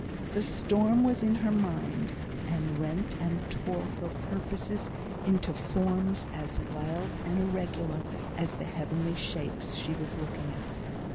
The storm was in her mind, and rent and tore her purposes into forms as wild and irregular as the heavenly shapes she was looking at.